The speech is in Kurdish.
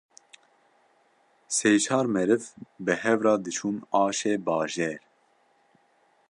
sê-çar meriv bi hevra diçûn aşê bajêr